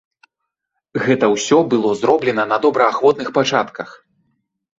Гэта ўсё было зроблена на добраахвотных пачатках.